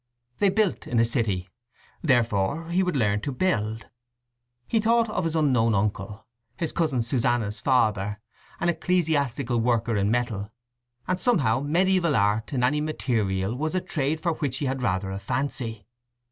They built in a city; therefore he would learn to build. He thought of his unknown uncle, his cousin Susanna's father, an ecclesiastical worker in metal, and somehow mediæval art in any material was a trade for which he had rather a fancy.